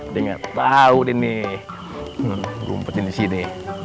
denger tahu ini rumput ini sini